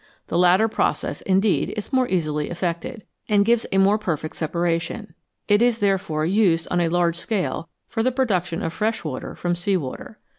The latter process, indeed, is more easily effected, and gives a more perfect separation ; it is, therefore, used on a large scale for the production of fresh water from sea water.